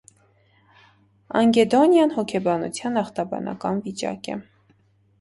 Անգեդոնիան հոգեբանության ախտաբանական վիճակ է։